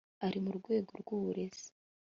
ari mu rwego rw'uburezi